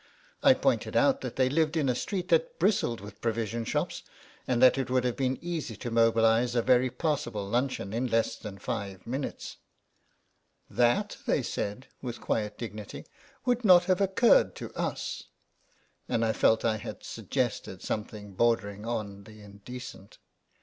I pointed out that they lived in a street that bristled with provision shops and that it would have been easy to mobilise a very THE SEX THAT DOESN'T SHOP 27 passable luncheon in less than five minutes. " That," they said with quiet dignity, " would not have occurred to us," and I felt that I had suggested something bordering on the indecent.